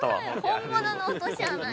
本物の落とし穴に。